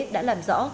đã làm rõ